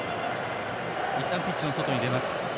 いったんピッチの外に出ます。